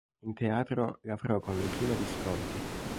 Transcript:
In teatro lavorò con Luchino Visconti.